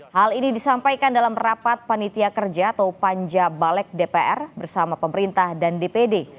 hal ini disampaikan dalam rapat panitia kerja atau panja balek dpr bersama pemerintah dan dpd